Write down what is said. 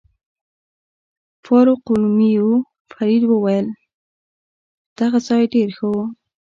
فاروقلومیو فرید وویل: دغه ځای ډېر ښه و.